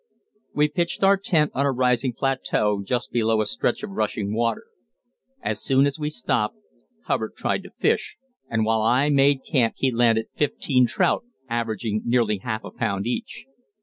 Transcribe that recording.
We pitched our tent on a rising plateau just below a stretch of rushing water. As soon as we stopped, Hubbard tried to fish, and while I made camp he landed fifteen trout averaging nearly half a pound each.